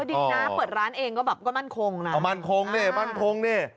ดีนะเปิดร้านเองก็มั่นคงนะ